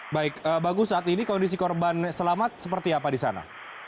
baik bagus saat ini kondisi korban selamat seperti apa di sana